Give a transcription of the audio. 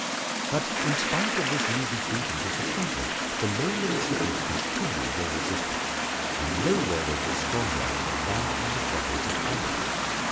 But in spite of this new defeat and disappointment, the Lowland cities continued their resistance, and nowhere was this stronger than in the province of Holland.